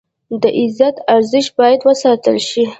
د عزت ارزښت باید وساتل شي.